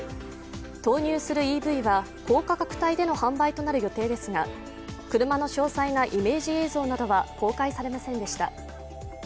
投入するＥＶは高価格帯での販売となる予定ですが、車の詳細なイメージ映像などは公開されませんでした。